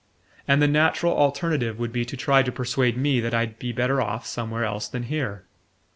And the natural alternative would be to try to persuade me that I'd be better off somewhere else than here.